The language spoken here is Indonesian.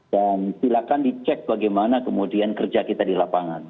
dan silakan dicek bagaimana kemudian kerja kita di lapangan